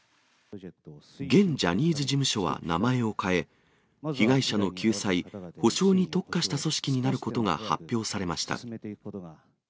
現ジャニーズ事務所は名前を変え、被害者の救済、補償に特化した組織になることが発表されました。